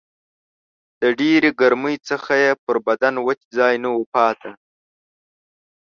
د ډېرې ګرمۍ څخه یې پر بدن وچ ځای نه و پاته